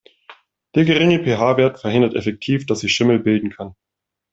Der geringe PH-Wert verhindert effektiv, dass sich Schimmel bilden kann.